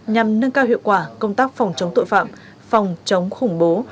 nhằm nâng cao hiệu quả công tác phòng chống tội phạm phòng chống khủng bố